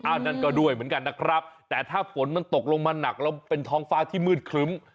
นั่นก็ด้วยเหมือนกันนะครับแต่ถ้าฝนมันตกลงมาหนักแล้วเป็นท้องฟ้าที่มืดครึ้ม